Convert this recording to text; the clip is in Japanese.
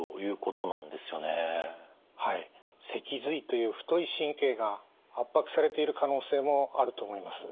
脊髄という太い神経が圧迫されている可能性もあると思います。